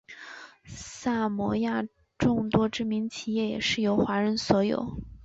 萨摩亚众多知名企业也是由华人所有。